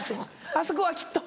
あそこはきっと。